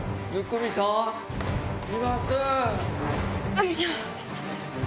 よいしょ！